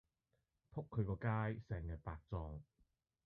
仆佢個街，成日白撞